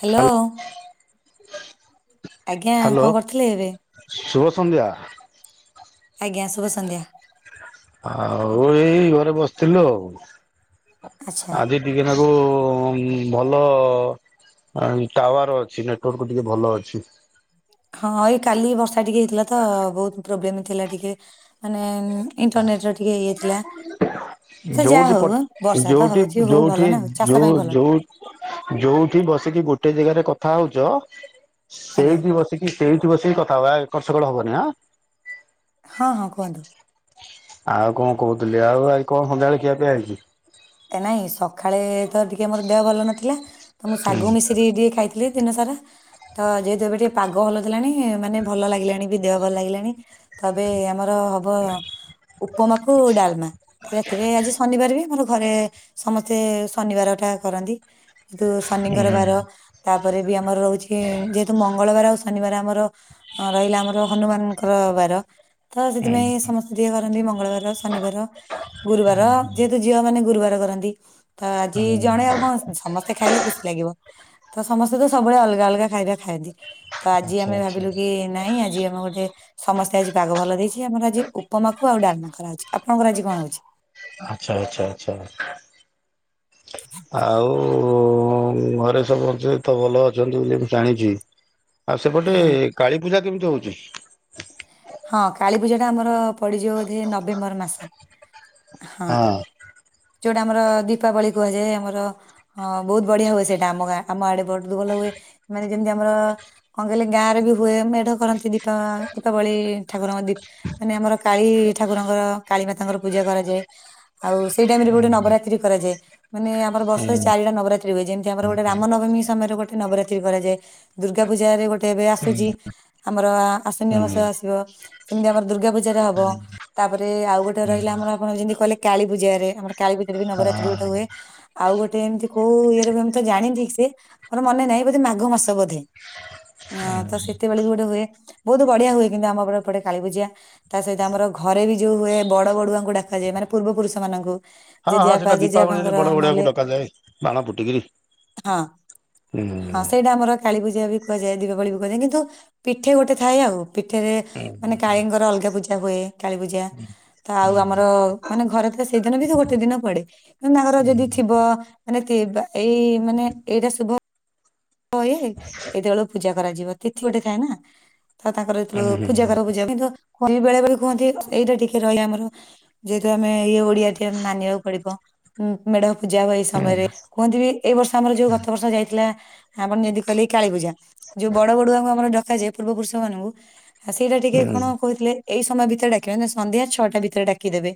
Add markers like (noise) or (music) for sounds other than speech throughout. Hello. Hello ଆଜ୍ଞା hello କଣ କରୁଥିଲେ ଏବେ? ଶୁଭ ସନ୍ଧ୍ୟା। ଆଜ୍ଞା ଶୁଭ ସନ୍ଧ୍ୟା। ଆଉ ଏଇ ଘରେ ବସିଥିଲୁ ଆଉ ଆଚ୍ଛା ଆଜି ଟିକେନାକୁ ଭଲ। ଟାୱାର ଅଛି ନେଟୱାର୍କ ଟିକେ ଭଲ ଅଛି। ହଁ ଏଇ କାଲି ବର୍ଷା ଟିକେ ହେଇଥିଲା ତ ବହୁତ ପ୍ରୋବ୍ଲେମ ଥିଲା ଟିକେ। ମାନେ ଇଣ୍ଟରନେଟରେ ଟିକେ ଇଏଥିଲା। ଯୋଉଠି ତ ଯୋଉଠି ହଉଛି ହଉ ଭଲ ଯୋଉଠି ନା ଆଉ ଚାଷ ଯୋଉ ପାଇଁ ଭଲ ଯୋଉ ଯୋଉଠି ବସିକି ଗୋଟେ ଜାଗାରେ କଥା ହଉଚ ଆଜ୍ଞା ସେଇଠି ବସି ଟିକେ ସେଇଠି ବସିକି କଥା ହବା ଏପଟସେପଟ ହବନି ଆଁ। ହଁ ହଁ କୁହନ୍ତୁ। ଆଉ କଣ କହୁଥିଲେ ଆଉ ଆ କଣ ସନ୍ଧ୍ୟାବେଳେ ଖିଆ ପିଆ ହେଇଚି। ନାଇଁ ସକାଳେ ତ ଟିକେ ମୋର ଦେହ ଭଲ ନଥିଲା ତ ମୁଁ ହୁଁ ଶାଗୁ ମିଶିରିି ଟିକେ ଖାଇ ଲିଦିନ ସାରା। ତ ଯେହେତୁ ଏବେ ଟିକେ ପାଗ ଭଲ ଦେଲାଣି ମାନେ ଭଲ ଲାଗିଲାଣି ବି ଦେହ ଭଲ ଲାଗିଲାଣି। ତ ଏବେ ଆମର ହବ ଉପମାକୁ ଡାଲମା ରାତିରେ ଆଜି ଶନିବାର ବି ଆମର। ଘରେ ସମସ୍ତେ ଶନିବାର ଟା କରନ୍ତି କିନ୍ତୁ ହୁଁ ଶନିଙ୍କରବାର। ତାପରେ ବି ଆମର ରହୁଛି ଯେହେତୁ ମଙ୍ଗଳବାର ଆଉ ଶନିବାର ଆମର ହଁ ରହିଲା ଆମର ହନୁମାନଙ୍କର ବାର। ତ ହୁଁ ସେଥିପାଇଁ ସମସ୍ତେ ଟିକେ କରନ୍ତି ମଙ୍ଗଳବାର ଶନିବାର ଗୁରୁବାର ଯେହେତୁ ଝିଅ ମାନେ ଗୁରୁବାର କରନ୍ତି ତ ଆଜି ଜଣେ ଆଉ କଣ ସମସ୍ତେ ଖାଇଲେ ଖୁସି ଲାଗିବ। ତ ସମସ୍ତେ ତ ସବୁବେଳେ ଅଲଗା ଅଲଗା ଖାଇବା ଖାଆନ୍ତି ତ ଆଜି ଆଚ୍ଛା ଆମେ ଆଚ୍ଛା। ଭାବିଲୁ କି ନାଇଁ ଆଜି ଆମ ଗୋଟେ ସମସ୍ତେ ଆଜି ପାଗ ଭଲ ଦେଇଛି ଆମର ଆଜି ଉପମାକୁ ଆଉ ଡାଲମା କରାହଉଛି ଆପଣଙ୍କର ଆଜି କଣ ହଉଛି? ଆଛା ଆଛା ଆଚ୍ଛା ଆଉ କୁ ଘରେ ସମସ୍ତେ ତ ଭଲ ଅଛନ୍ତି ବୋଲି ମୁଁ ଜାଣିଛି ଆଉ ସେପଟେ ହଁ କାଳୀପୂଜା କେମିତି ହଉଛି? ହଁ କାଳୀ ପୂଜା ଟା ଆମର ପଡିଯିବ ବୋଧେ ନଭେମ୍ବର ମାସ ହଁ। ଯୋଉଟା ଆମର ଦୀପାବଳି କୁହାଯାଏ ଆମର ହଁ ବହୁତ ବଢିଆ ହୁଏ ସେଇଟା ଆମ ଗାଁ ଆମ ଆଡେ ବହୁତ ଭଲ ହୁଏ ମାନେ ଯେମିତି ଆମର କଣ କହିଲେ ଗାଁରେ ବି ହୁଏ ମେଢ କରନ୍ତି ଦୀପା ଦୀପାବଳି ଠାକୁରଙ୍କ ଦୀ ମାନେ ଆମର କାଳୀ ଠାକୁରଙ୍କର କାଳୀମାତାଙ୍କର ପୂଜା କରାଯାଏ। ଆଉ ସେଇ ଟାଇମ ରେ ଗୋଟେ ନବରାତ୍ରି କରାଯାଏ। ମାନେ ଆମର ହୁଁ ବର୍ଷରେ ଚାରିଟା ନବରାତ୍ରୀ ହୁଏ ଯେମିତି ଆମର ଗୋଟେ ରାମ ନବମୀ ସମୟରେ ଗୋଟେ ନବରାତ୍ରୀ କରାଯାଏ। ଦୁର୍ଗା ପୂଜା ରେ ଗୋଟେ ଏବେ ଆସୁଛି ହୁଁ ଆମର ଆଶ୍ଵିନ ହଁ ମାସ ଆସିବ। ସେମିତି ଆମର ଦୁର୍ଗା ପୂଜାରେ ହବ। ତାପରେ ଆଉ ଗୋଟେ ରହିଲା ଆମର ଆପଣ ଯେମିତି କହେ କାଳପୂଜାରେ ଆମର କାଳପୂଜାରେ ବି ନବରାତ୍ରି ଗୋଟେ ହୁଏ। ଆଉ ଗୋଟେ ଏମିତି କୋଉ ଇଏରେମ ତ ଜାଣିଛି ଠିକ୍ ସେ ମୋର ମନେ ନାହିଁ ବୋଧେ ମାଘ ମାସ ବୋଧେ। ହଁ ତ ସେତେବେଳେ ବି ଗୋଟେ ହୁଏ ବହୁତ ବଢିଆ ହୁଏ କିନ୍ତୁ ଆମର ସେପଟେ କାଳୀ ପୂଜା ତା ସହିତ ଆମର ଘରେ ବି ଯୋଉ ହୁଏ ବଡ ବଡୁଆଙ୍କୁ ଡାକାଯାଏ ମାନେ ପୂର୍ବ ପୁରୁଷ ମାନଙ୍କୁ। ହଁ ହଁ ଜେଜେବାପା ସେଟା ଦୀପାବଳିରେ ଜେଜେବାପାଙ୍କର ବଡ ବଡୁଆକୁ ନହେଲେ ଡକାଯାଏ ବାଣ ଫୁଟିକିରି। ହଁ ହୁଁ ହୁଁ ହଁ ସେଇଟା ଆମର କାଳୀ ପୂଜା ବି କୁହାଯାଏ ଦୀପାବଳି ବି କୁହାଯାଏ କିନ୍ତୁ ପିଠେ ଗୋଟେ ଥାଏ ଆଉ ପିଠେରେ ମାନେ କାଳିଙ୍କର ଅଲଗା ପୂଜା ହୁଏ କାଳୀ ପୂଜା ତ ଆଉ ଆମର ମାନେ ଘରେ ସେଇଦିନ ବି ସେ ଗୋଟେ ଦିନ ପଡେ ତାଙ୍କର ଯଦି ଥିବ ମାନେ ଏଇ ମାନେ ଏଇଟା ଶୁଭ ପ ଇଏ ଏଇତେବେଳୁ ପୂଜା କରାଯିବ ତିଥି ଗୋଟେ ଥାଏ ନା। ତ ତାଙ୍କର ହୁଁ ଯେତେଳୁ ହୁଁ ପୂଜା କରୁ ପୂଜା କିନ୍ତୁ କଲି ବେଳା ବେଳି କୁହନ୍ତି ଏଇଟା ଟିକେ ରହେ ଆମର ଯେହେତୁ ଆମେ ଇଏ ଓଡିଆ ଟିଏ ମାନିବାକୁ ପଡିବ। ଉଁ ମେଢ ପୂଜା ହୁଏ ଏଇ ସମୟରେ କୁହନ୍ତି ବି ଏଇ ବର୍ଷ ଆମର ଯୋଉ ଗତ ବର୍ଷ ଯାଇଥିଲା ଆପଣ ଯଦି କଲେ କାଳୀ ପୂଜା ଯୋଉ ବଡ ବଡୁଆଙ୍କୁ ଆମର ଡକାଯାଏ ପୂର୍ବ ପୁରୁଷ ମାନଙ୍କୁ ଆ ସେଇଟା ଟିକେ ହୁଁ କଣ କହୁଥିଲେ ଏଇ ସମୟ ଭିତରେ ଡାକିିବେ ନା ସନ୍ଧ୍ୟା ଛଅଟା ଭିତରେ ଡାକିଦେବେ।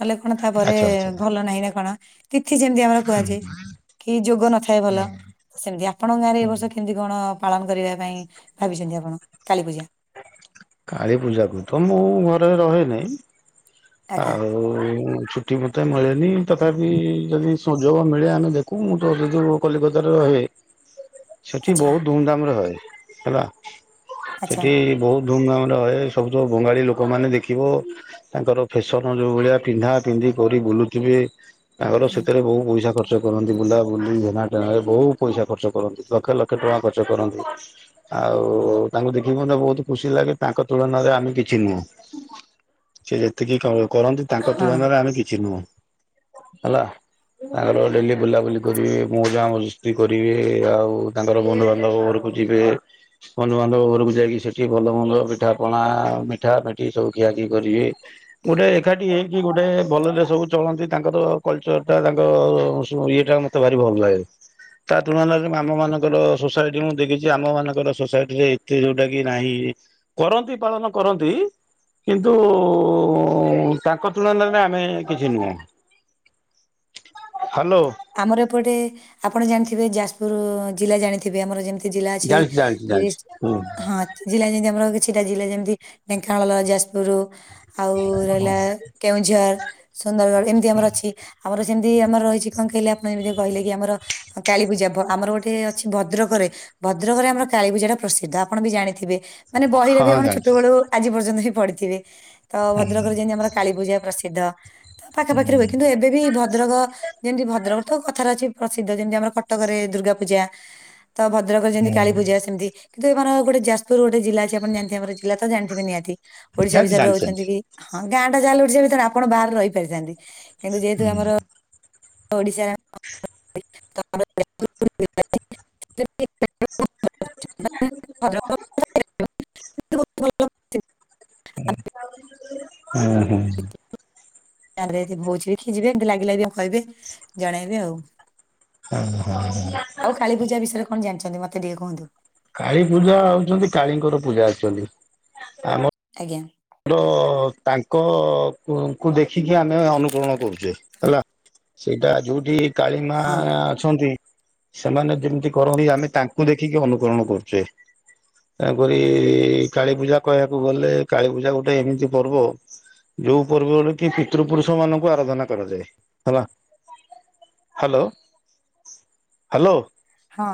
ତାଲେ କଣ ତାପରେ ଆଚ୍ଛା ଆଚ୍ଛା। ଭଲ ନାହିଁ ନା କଣ? ତିଥି ଯେମିତି ଆମର କୁହାଯାଏ କି ଯୋଗ ନଥାଏ ଭଲ ସେମିତିଆ। ଆପଣଙ୍କ ଗାଁରେ ଏ ବର୍ଷ କେମତି କଣ ପାଳନ କରିବା ପାଇଁ ଭାବିଛନ୍ତି ଆପଣ କାଳୀପୂଜା? କାଳୀ ପୂଜା କୁ ତ ମୁଁ ଘରେ ରହେ ନାଇଁ ଆଜ୍ଞା ଆଉ ଛୁଟି ମତେ ମିଳେନି ତଥାପି ଯଦି ସୁଯୋଗ ମିଳେ ଆମେ ଦେଖୁ ମୁଁ ତୋସହିତ ଯୋଉ କଲିକତାରେ ରହେ। ସେଠି ଆଚ୍ଛା ବହୁତ ଧୁମଧାମ ରେ ହଏ ହେଲା ଆଚ୍ଛା ସେଠି ବହୁତ ଧୁମଧାମରେ ରହେ ସବୁ ତ ବଙ୍ଗାଳୀ ଲୋକମାନେ ଦେଖିବ। ତାଙ୍କର ଫେସନ ଯୋଉ ଭଳିଆ ପିନ୍ଧା ପିନ୍ଧି କରି ବୁଲୁଥିବେ ତାଙ୍କର ହୁଁ, ସେଥିରେ ବହୁ ପଇସା ଖର୍ ଖର୍ଚ୍ଚ କରନ୍ତି। ବୁଲାବୁଲି ଏଣା ଟେଣା ରେ ବହୁତ ପଇସା ଖର୍ଚ୍ଚ କରନ୍ତି। ଲକ୍ଷ ଲକ୍ଷ ଟଙ୍କା ଖର୍ଚ୍ଚ କରନ୍ତି। ଆଉ ତାଙ୍କୁ ଦେଖିକି ମୋତେ ବହୁତ ଖୁସି ଲାଗେ। ତାଙ୍କ ତୁଳନାରେ ଆମେ କିଛି ନୁହଁ ସେ ଯେତିକି କର କରନ୍ତି। ତାଙ୍କ ହଁ ତୁଳନାରେ ଆମେ କିଛି ନୁହଁ ହେଲା। ତାଙ୍କର ଡେଲି ବୁଲାବୁଲି କରିବେ ମଉଜା ମଜିସ୍ତି କରିବେ ଆଉ ତାଙ୍କର ବନ୍ଧୁବାନ୍ଧବ ଘର କୁ ଯିବେ ବନ୍ଧୁବାନ୍ଧବ ଘରକୁ ଯାଇକି ସେଠି ଭଲ ମନ୍ଦ ମିଠା ପଣା ମିଠା ମିଠି ସବୁ ଖିଆ ଖିଇ କରିବେ। ଗୋଟେ ଏକାଠି ହେଇକି ଗୋଟେ ଭଲରେ ସବୁ ଚଳନ୍ତି ତାଙ୍କର କଲଚର ଟା ତାଙ୍କ ଇଏଟା ମତ ଭାରି ଭଲ ଲାଗେ। ତା ତୁଳନାରେ ଆମ ମାନଙ୍କର ସୋସାଇଟି ମୁଁ ଦେଖିଛି ଆମ ମାନଙ୍କର ସୋସାଇଟି ରେ ଏତେ ଯୋଉଟା କି ନାହିଁ। କରନ୍ତି ପାଳନ କରନ୍ତି। କିନ୍ତୁ ତାଙ୍କ ତୁଳନରେ ଆମେ କିଛି ନୁହେଁ। ହ୍ୟାଲୋ। ଆମର ଏପଟେ ଆପଣ ଜାଣିଥିବେ ଯାଜପୁର ଜିଲ୍ଲା ଜାଣିଥିବେ ଆମର ଯେମିତି ଜିଲ୍ଲା ଅଛି ଜାଣିଛି ଜାଣିଛି ଜାଣିଛି। ତିରିଶିଟି ହଁ ଜିଲ୍ଲା ଯେମିତି ଆମର କିଛିଟା ଜିଲ୍ଲା ଯେମିତି ଢେଙ୍କାନଳ ଗଲା ଯାଜପୁର ଆଉ ରହିଲା କେଉଁଝର ସୁନ୍ଦରଗଡ଼ ଏମିତି ଆମର ଅଛି ଆମର ସେମିତି ଆମର ରହିଛଚି କଣ କହିଲେ ଆପଣ ଯେମିତି କହିଲେ କି ଆମର କାଳୀପୂଜା ଭ ଆମର ଗୋଟେ ଅଛି ଭଦ୍ରକରେ। ଭଦ୍ରକରେ ଆମର କାଳୀପୂଜା ଟା ପ୍ରସିଦ୍ଧ ଆପଣ ବି ଜାଣିଥିବେ। ମାନେ ବହିରେ ବି ହଁ ଆପଣ ଜାଣିଛି ଛୋଟବଳୁ ଆଜି ପର୍ଯ୍ୟନ୍ତ ବି ପଡିିଥିବେ ତ ଭଦ୍ରକରେ ଯେମିତି ଆମର କାଳୀପୂଜା ପ୍ରସିଦ୍ଧ ତ ପାଖାପାଖି ରୁହେ କିନ୍ତୁ ଏବେ ବି ଭଦ୍ରକ ଯେମିତି ଭଦ୍ରକରେ ତ କଥାରେ ଅଛି ପ୍ରସିଦ୍ଧ ଯେମିତି ଆମର କଟକରେ ଦୁର୍ଗା ପୂଜା। ତ ଭଦ୍ରକ ଯେମିତି କାଳୀ ଜାଣିଛି ପୂଜା ସେମିତି। କିନ୍ତୁ ଏମାର ଗୋଟେ ଯାଜପୁର ଗୋଟେ ଜିଲ୍ଲା ଅଛି ଜାଣିଥିବେ ଆମ ଜିଲ୍ଲା ତ ଜାଣିଥିବେ ନିହାତି ଓଡିଶା ଜାଣିଛି ବିଷୟରେ ରହୁଛନ୍ତି ଜାଣିଛି। କି? ହଁ ଗାଁ ଯାହାଲେ ଓଡିଶା ଭିତରେ ଆପଣ ବାହାରୁ ରହିପାରିଥାନ୍ତି କିନ୍ତୁ ଯେହେତୁ ଆମର ଓଡ଼ିଶା (unintelligible) ହଁ ହୁଁ ହୁଁ। (unintelligible) ଦେଖିକି ଯିବେ ଲାଗିଲାକି କହିବେ ଜଣେଇବେ ଆଉ। ଉଁ ହୁଁ। ଆଉ କାଳୀ ପୂଜା ବିଷୟ କଣ ଜାଣିଛନ୍ତି ମତେ ଟିକେ କୁହନ୍ତୁ। କାଳୀ ପୂଜା ହଉଚନ୍ତି କାଳୀଙ୍କର ପୂଜା ଅଛନ୍ତି ଆମ ଆଜ୍ଞା। ର ତାଙ୍କ କୁ ଙ୍କୁ ଦେଖିକି ଆମେ ଅନୁକରଣ କରୁଛେ ହେଲା। ସେଇଟା ଯଉଠି କାଳିମା ହଁ ଛନ୍ତି ସେମାନେ ଯେମିତି କରନ୍ତି ଆମେ ତାଙ୍କୁ ଦେଖିକି ଅନୁକରଣ କରୁଛେ। ତେଣୁ କରି କାଳୀ ପୂଜା କହିବାକୁ ଗଲେ କାଳୀ ପୂଜା ଗୋଟେ ଏମିତି ପର୍ବ ଯୋଉ ପର୍ବ ରେ କି ପିତୃ ପୁରୁଷ ମାନଙ୍କୁ ଆରାଧନା କରାଯାଏ ହେଲା। Hello hello. ହଁ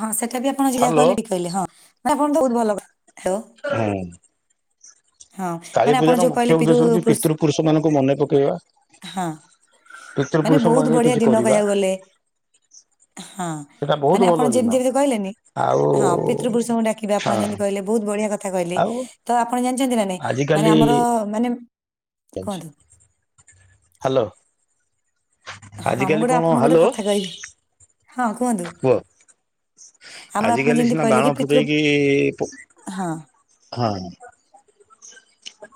ହଁ ସେଟା ବି ଆପଣ ଯିଯା ହ୍ୟାଲୋ କହିଲେ ଠିକ କହିଲେ ହଁ ଆପଣ ତ ବହୁତ ଭଲ କ ହାଲୋ। ହୁଁ। କାଳୀ ମାନେ ଆପଣ ପୂଜାର ଯୋଉ ମୁଖ୍ୟ କହିଲେ ପିରୁ ଉଦ୍ଦେଶ୍ୟ ହଉଛି ପୃଷ୍ ପିତୃପୁରୁଷ ମାନଙ୍କୁ ମନେ ପକେଇବା। ହଁ ମାନେ ପିତୃପୁରୁଷ ପାଇଁ ବହୁତ ବଢିଆ କିଛି ଦିନ କରିବା। କହିବାକୁ ଗଲେ। ହଁ ସେଇଟା ବହୁତ ମାନେ ଭଲ ଆପଣ ଦିନ ଯେମିତି ଏବେ ଯୋଉ କହିଲେନି। ଆଉ ହଁ ପିତୃପୁରୁଷଙ୍କୁ ଡାକିଵା ଆପଣ ହଁ ଯେମିତି କହିଲେ ବହୁତ ବଢିଆ କଥା କହିଲେ। ଆଉ ତ ଆପଣ ଜାଣିଛନ୍ତି ନା ନାଇଁ ମାନେ ଆଜିକାଲି ଆମର ମାନେ କୁହନ୍ତୁ ହାଲୋ। ହଁ ମୁଁ ଆଜିକାଲି ଗୋଟେ କଣ ଆପଣଙ୍କୁ ଗୋଟେ ହାଲୋ କଥା କହିବି ହଁ କୁହନ୍ତୁ। କୁହ ଆମର ଆପଣ ଆଜିକାଲି ଯେମିତି ସିନା କହିଲେ କି ବାଣ ପିତୃ ଫୁଟେଇକି ପୁ ହଁ ହଁ।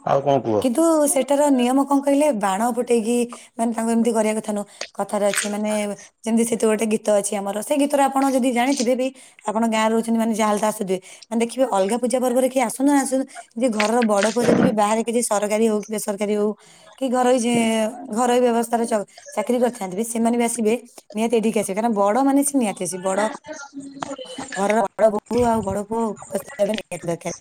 ଆଉ କଣ କୁହ କିନ୍ତୁ ସେଟାର ନିୟମ କଣ କହିଲେ ବାଣ ଫୁଟେଇକି ମାନେ ତାଙ୍କୁ ଏମିତି କରିବା କଥା ନୁହଁ। କଥାରେ ଅଛି ମାନେ ଯେମିତି ସେଠୁ ଗୋଟେ ଗୀତ ଅଛି ଆମର ସେଇ ଗୀତରେ ଆପଣ ଯଦି ଜାଣିଥିବେ ବି ଆପଣ ଗାଁ ରେ ରହୁଛନ୍ତି ମାନେ ଯାହାଲେ ତ ଆସୁଥିବେ। ଦେଖିବେ ଅଲଗା ପୂଜା ପର୍ବରେ କିଏ ଆସୁ ନଆସୁ ଯିଏ ଘର ବଡ ପୁଅ ଯଦି ବି ବାହାରେ କିଛି ସରକାରୀ ହଉ କି ବେସରକାରୀ ହଉ କି ଘରର ଯେ ଘରୋଇ ବ୍ୟବସ୍ଥାରେ ଚ ଚାକିରି କରିଥାନ୍ତି ବି ସେମାନେ ବି ଆସିବେ ନିହାତି ଏଠିକି ଆସିବେ କାରଣ ବଡ ମାନେ ନିହାତି ଆସିବେ ବଡ ଘରର ବଡ ବୋହୂ ଆଉ ବଡ ପୁଅ ଉପସ୍ଥିତି ହେବା ନିହାତି ଦରକାର।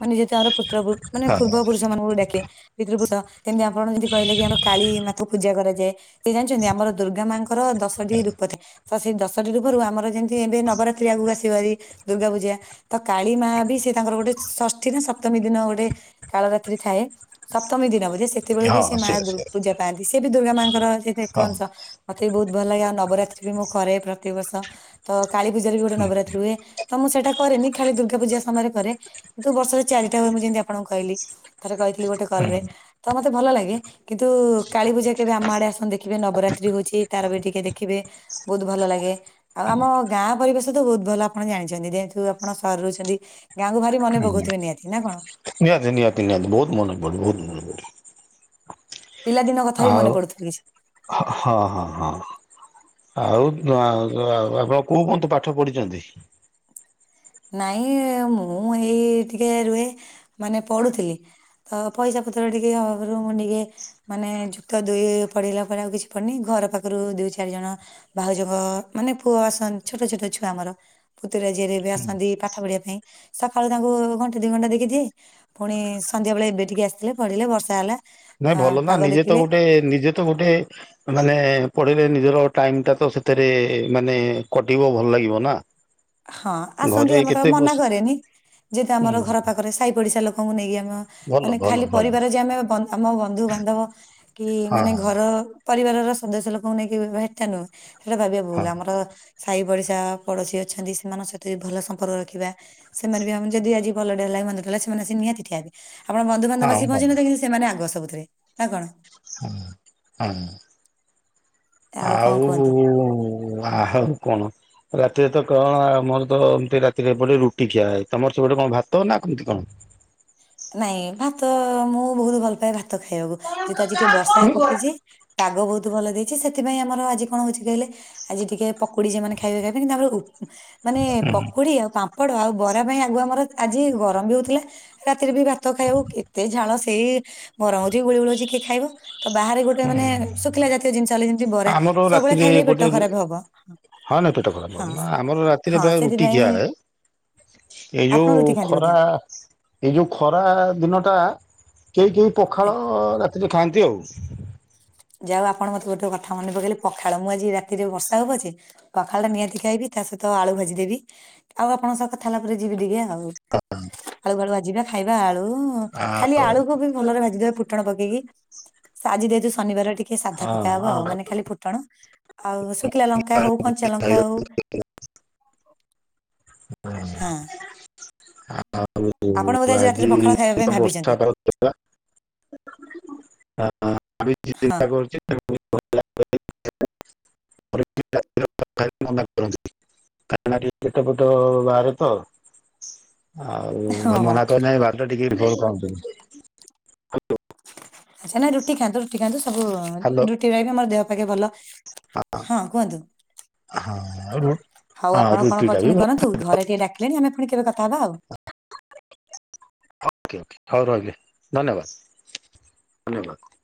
ମାନେ ଯେହେତୁ ତାର ପୁତ୍ର ମାନେ ହଁ ପୂର୍ବ ପୁରୁଷ ମାନଙ୍କୁ ଡାକେ। ପିତୃପୃଷ କେମିତି ଆପଣ ଯେମିତି କହିଲେ କି ଆମର କାଳୀ ମାକୁ ପୂଜା କରାଯାଏ। ସେ ଜାଣିଛନ୍ତି ଆମର ଦୁର୍ଗା ମାଙ୍କର ଦଶଟି ରୂପରେ ତ ସେଇ ଦଶଟି ରୂପରୁ ଆମର ଯେମିତି ଏବେ ନବରାତ ଆଗକୁ ଆସିବ ହାରି ଦୁର୍ଗା ପୂଜା। ତ କାଳୀ ମା ବି ସେ ତାଙ୍କର ଗୋଟେ ଷଷ୍ଠୀ ନା ସପ୍ତମୀ ଦିନ ଗୋଟେ କାଳରାତ୍ରି ଥାଏ। ସପ୍ତମୀ ଦିନ ବୋଧେ ସେତେବେଳେ ବି ହଁ ସେ ମା ସେୟା ଦୁ ସେୟା ପୂଜା ପାଆନ୍ତି ସେ ବି ଦୁର୍ଗା ମାଙ୍କର ସେ ଏକ ହଁ ଅଂଶ। ମତେ ବି ବହୁତ ଭଲ ଲାଗେ ଆଉ ନବରାତ୍ରି ବି ମୁଁ କରେ ପ୍ରତ୍ୟେକ ବର୍ଷ। ତ କାଳୀ ପୂଜାରେ ବି ଗୋଟେ ନବରାତ୍ରି ହୁଏ। ତ ମୁଁ ସେଟା କରେନି ଖାଲି ଦୁର୍ଗା ପୂଜା ସମୟରେ କରେ। କିନ୍ତୁ ବର୍ଷରେ ଚାରିଟା ହୁଏ। ମୁଁ ଯେମିତି ଆପଣଙ୍କୁ କହିଲି ଥରେ କହିଥିଲି ଗୋଟେ କଲରେ ତ ମତେ ଭଲ ଲାଗେ। କିନ୍ତୁ କାଳୀ ପୂଜା କେବେ ଆମ ଆଡେ ଆସନ୍ତୁ ଦେଖିବେ ନବରାତ୍ରି ହଉଛି ତାର ଟିକେ ଦେଖିବେ। ବହୁତ ଭଲ ଲାଗେ ଆଉ ଆମ ଗାଁ ପରିବେଶ ତ ବହୁତ ଭଲ ଆପଣ ଜାଣିଛନ୍ତି ଯେହେତୁ ଆପଣ ସହର ରହୁଛନ୍ତି। ଗାଁକୁ ଭାରି ମନେ ପକଉଥିବେ ନିହାତି ନା କଣ। ନିହାତି ନିହାତି ନିହାତି ବହୁତ ମନେ ପଡେ ବହୁତ ମନେ ପଡେ। ପିଲାଦିନ କଥା ବି ଆଉ ମନେ ପଡୁଥିବ ବେସି। ହଁ ହଁ ହଁ। ଆଉ ତ ଆ ଆଉ ଆପଣ କୋଉ ପନ୍ତେ ପାଠ ପଢିଛନ୍ତି। ନାଇଁ ମୁଁ ଏଇ ଟିକେ ରୁହେ ମାନେ ପଢୁଥିଲି। ତ ପଇସା ପତ୍ର ଟିକେ ଅଭାବରୁ ମୁଁ ଟିକେ ମାନେ ଯୁକ୍ତ ଦୁଇ ପଢ଼ିଲା ପରେ ଆଉ କିଛି ପଡ଼ିନି ଘର ପାଖରୁ ଦୁଇ ଚାରିଜଣ ଭାଉଜଙ୍କ ମାନେ ପୁଅ ଆସନ୍ତି। ଛୋଟ ଛୋଟ ଛୁଆ ଆମର ପୁତୁରା ଝିଆରି ଏବେ ଆସ ନ୍ତି ପାଠ ପଢିବା ପାଇଁ ସକାଳୁ ତାଙ୍କୁ ଘଣ୍ଟେ ଦି ଘଣ୍ଟା ଦେଖି ଦିଏ। ପୁଣି ସନ୍ଧ୍ୟାବେଳେ ଏବେ ଟିକେ ଆସିଥିଲେ ପଢିଲେ ବର୍ଷା ହେଲା। ନାଇଁ ଆ ଭଲ ନା ପାଗ ନିଜେ ତ ଦେଖିଲେ ଗୋଟେ ନିଜେ ତ ଗୋଟେ ମାନେ ପଢିଲେ ନିଜର ଟାଇମଟା ତ ସେଥିରେ ମାନେ କଟିବ ଭଲ ଲାଗିବ ନା। ହଁ ଆସନ୍ତି ଘରେ ଆମର କେତେ ମନା ବସି କରେନି ଯେହେତୁ ଆମର ହୁଁ। ଘର ପାଖରେ ସାହି ପଡିଶା ଲୋକଙ୍କୁ ନେଇକି ଆମେ। ଭଲ ମାନେ ଭଲ ଖାଲି ଭଲ ପରିବାର ଯେ ଆମେ ଆମ ବନ୍ଧୁ ବାନ୍ଧବ କି ହଁ ମାନେ ଘର। ପରିବାରର ସଦସ୍ୟଲୋକଙ୍କୁ ନେଇ ହେଟା ନୁହେଁ ସେଟା ଭାବିବା ହଁ ଭୁଲ ଆମର ସାହି ପଡ଼ିଶା ପଡ଼ୋଶୀ ଅଛନ୍ତି ସେମାନଙ୍କ ସହିତ ବି ଭଲ ସମ୍ପର୍କ ରଖିବା। ସେମାନେ ବି ଆମେ ଯଦି ଆଜି ଭଲଟେ ହେଲା ମନ୍ଦଟେ ହେଲା ସେମାନେ ଆସି ନିହାତି ଠିଆ ହେବେ। ଆପଣ ହଁ ବନ୍ଧୁବାନ୍ଧବ ଆସି ହଁ ଭଲ ପହଞ୍ଚିନଥିବେ କିନ୍ତୁ ସେମାନେ ଆଗ ସବୁଥିରେ ନା କଣ। ହଁ ହଁ କଣ ଆଉ କୁହନ୍ତୁ? ୱାହାଉ କଣ? ରାତିରେ ତ କଣ ଆମର ତ ଏମତି ରାତିରେ ଏପଟେ ରୁଟି ଖିଆ ତମର ସେପଟେ କଣ ଭାତ ନା କେମିତି କଣ। ନାଇଁ ଭାତ ମୁଁ ବହୁତ ଭଲ ପାଏ, ଭାତ ଖାଇବାକୁ। ଯେହେତୁ ଆଜି ଟିକେ ବର୍ଷା ହେ ପକେଇଛି ପାଗ ବହୁତ ଭଲ ଦେଇଛି ସେଥିପାଇଁ ଆମର ଆଜି କଣ ହେଉଛି କହିଲେ। ଆଜି ଟିକେ ପକୁଡି ସେମାନେ ଖାଇବେ ଖାଇବେ ତାପରେ ମାନେ ପକୁଡି ଆଉ ପାମ୍ପଡ ଆଉ ବରା ପାଇଁ ଆଗୁଆ ଆମର ଆଜି ଗରମ ବି ହଉଥିଲା। ରାତିରେ ବି ଭାତ ଖାଇବ କେତେ ଝାଳ ସେଇ ଗରମ ହଉଛି ଗୁଳିଗୁଳି ହଉଛି କିଏ ଖାଇବ। ତ ବାହାରେ ଗୋଟେ ମାନେ ଶୁଖିଲା ଜାତୀୟ ଜିନିଷ ହେଲା ଯେମିତି ବରା ଆମର ସବୁବେଳେ ରାତିରେ ଖାଇଲେ ଏପଟେ ପେଟ ରୁ ଖରାପ ହବ ହଁ ନାଇଁ ପେଟ ଖରାପ ହଁ ହବ ନା ଆମର ରାତିରେ ହଁ ପ୍ରାୟ ରୁଟି ସେଥିପାଇଁ ଖିଆ ହୁଏ। ଏଇ ଆପଣ ଯୋଉ ରୁଟି ଖାଆନ୍ତି ବୋଧେ? ଖରା ଏଇ ଯୋଉ ଖରା ଦିନ ଟା କେହି କେହି ପଖାଳ ରାତିରେ ଖାଆନ୍ତି ଆଉ। ଯାହଉ ଆପଣ ମତେ ଗୋଟେ କଥା ମନେପକେଇଲେ ପଖାଳ। ମୁଁ ଆଜି ରାତିରେ ବର୍ଷା ହଉ ପଛେ ପଖାଳ ଟା ନିହାତି ଖାଇବି ତା ସହିତ ଆଳୁ ଭାଜିଦେବି। ଆଉ ଆପଣଙ୍କ ସହ କଥା ହେଲାପରେ ଯିବି ଟିକେ ଆଉ ଆଉ ଆଳୁ ବଳୁଆ ଭାଯିବା ଖାଇବା ଆଳୁ ଖାଲି ଆଳୁକୁ ବି ଭଲରେ ଭାଜିଦବା। ଫୁଟଣ ପକେଇକି ଆଜି ଯେହେତୁ ଶନିବାର ଟିକେ ସାଧା ପକାହବ ଆଉ ମାନେ ଖାଲି ଫୁଟଣ ଆଉ ଶୁଖିଲା ଲଙ୍କା ହଉ କଞ୍ଚା ଲଙ୍କା ହଉ (inaudible) ହଁ। ଆଉ ଆପଣ ବୋଧେ ରାତିରେ ଆଜି ପଖାଳ ଖାଇବା ପାଇଁ ତ ଭାବିଛନ୍ତି। ବର୍ଷାଟା ହ (unintelligible) ଚିନ୍ତା ହଁ କରୁଛି (unintelligible) (inaudible) ଖାଇବାକୁ କରନ୍ତି। (inaudible) ପୋଟ ବାହାରେ ତ ଆଉ ହଁ ଘରେ ହଁ ମନା କରିନାହି। ଭାତ ଟିକେ ଭଲ ପାଆନ୍ତି। ଆଛା ନାଇଁ ରୁଟି ଖାଆନ୍ତୁ। ରୁଟି ଖାଆନ୍ତୁ। ସବୁ ହ୍ୟାଲୋ ରୁଟିରେ (unintelligible) ଦେହ ପାଖେ ଭଲ। ହଁ କୁହନ୍ତୁ? ହଁ। ହଉ ହଁ ଆପଣ କଣ ରୁଟିଟା ବି କରୁଛନ୍ତି ଭଲ କରନ୍ତୁ। ଘରେ ଟିକେ ଡାକିଲେଣି। ଆମେ ପୁଣି କେବେ କଥା ହବା ଆଉ। Okay okay. ହଉ ରହିଲି। ଧନ୍ୟବାଦ। ଧନ୍ୟବାଦ।